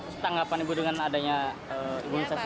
setanggapan ibu dengan adanya imunisasi